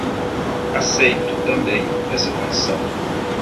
Aceito, também, essa condição.